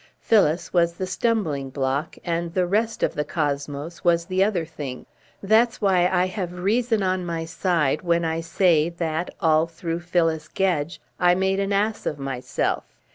Phyllis was the stumbling block and the rest of the cosmos was the other thing. That's why I have reason on my side when I say that, all through Phyllis Gedge, I made an ass of myself."